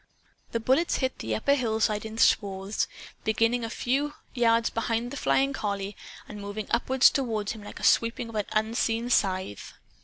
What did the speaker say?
The bullets hit the upper hillside in swathes, beginning a few yards behind the flying collie and moving upward toward him like a sweeping of an unseen scythe.